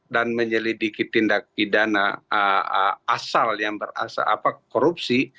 dan menyelidiki tindak pidana asal yang berasal korupsi